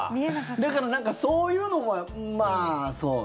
だからそういうのはまあ、そうね。